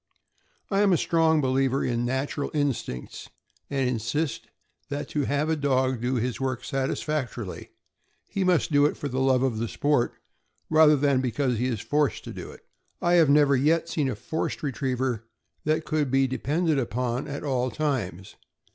I am a strong believer in natural instincts, and insist that to have a dog do his work satisfactorily, he must do it for the love of the sport, rather, than because he is forced to do it. I have never yet seen a forced retriever that could be depended upon at all times.